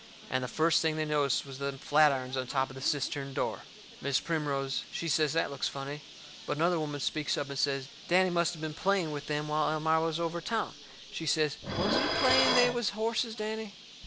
And the first thing they noticed was them flatirons on top of the cistern door. Mis' Primrose, she says that looks funny. But another woman speaks up and says Danny must of been playing with them while Elmira was over town. She says, "Was you playing they was horses, Danny?"